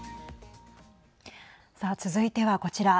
さあ、続いてはこちら。